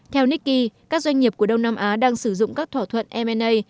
theo nikki các doanh nghiệp của đông nam á đang sử dụng các thỏa thuận m a